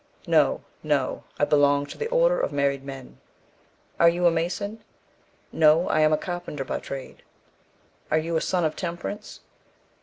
"No, no; I belong to the order of married men." "Are you a mason?" "No, I am a carpenter by trade." "Are you a Son of Temperance?"